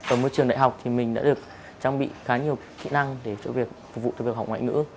ở một trường đại học thì mình đã được trang bị khá nhiều kỹ năng để phục vụ cho việc học ngoại ngữ